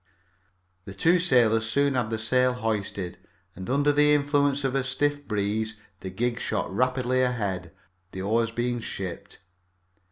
The two sailors soon had the sail hoisted, and under the influence of a stiff breeze the gig shot rapidly ahead, the oars being shipped.